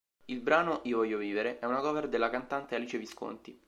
Il brano "Io Voglio Vivere" è una cover della cantante Alice Visconti.